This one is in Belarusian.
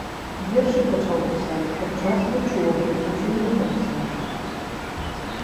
Вершы пачаў пісаць падчас вучобы ў сямігодцы.